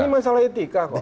ini masalah etika kok